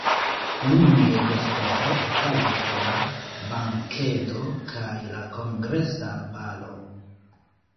Lunde vespere okazos la bankedo kaj la kongresa balo.